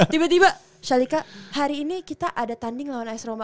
tiba tiba shalika hari ini kita ada tanding lawan as roma